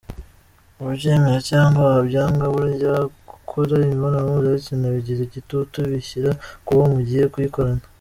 Wabyemera cyangwa wabyanga, burya gukora imibonano mpuzabitsina bigira igitutu bishyira ku wo mugiye kuyikorana.